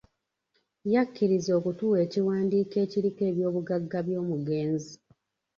Yakkiriza okutuwa ekiwandiiko ekiriko eby'obugagga by'omugenzi.